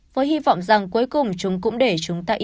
với hy vọng rằng cuối cùng chúng cũng có thể